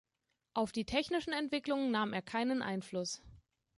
Auf die technischen Entwicklungen nahm er keinen Einfluss.